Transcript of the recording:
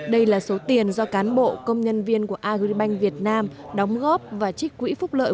đây là số tiền do cán bộ công nhân viên của agribank việt nam đóng góp và trích quỹ phúc lợi